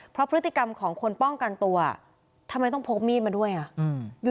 เพราะพฤติกรรมของคนป้องกันตัวทำไมต้องพกมีดมาด้วยอ่ะ